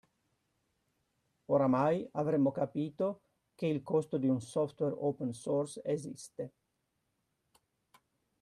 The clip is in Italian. Oramai avremo capito che il costo di un software open source esiste.